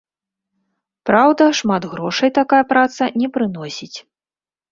Праўда, шмат грошай такая праца не прыносіць.